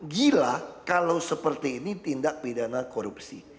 gila kalau seperti ini tindak pidana korupsi